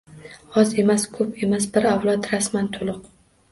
Oz emas-ko‘p emas – bir avlod rasman to‘liq